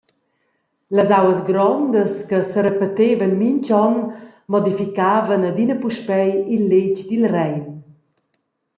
Las auas grondas che serepetevan mintg’onn modificavan adina puspei il letg dil Rein.